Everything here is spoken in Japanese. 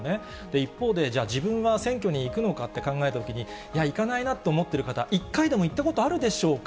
一方で、じゃあ自分は選挙に行くのかって考えたときに、いや、行かないなと思ってる方、一回でも行ったことあるでしょうか。